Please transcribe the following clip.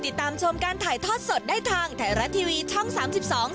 ติดตามชมการถ่ายทอดสดได้ทางไทยรัฐทีวีช่องสามสิบสอง